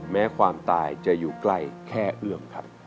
แม้ความตายจะอยู่ใกล้แค่เอื้อมครับ